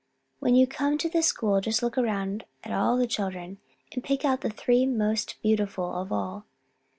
When you come to the school just look around at all the children, and pick out the three most beautiful of all.